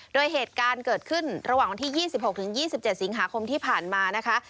โดยเหตุการณ์เกิดขึ้นระหว่างวันที่๒๖๒๗สิงหาคมที่ผ่านมานะคะ